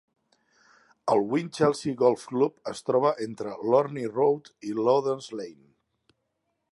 El Winchelsea Golf Club es troba entre Lorne Road i Lauders Lane.